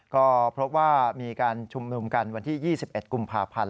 ก็พบว่ามีการชุมนุมกันวันที่๒๑กุมภาพันธ์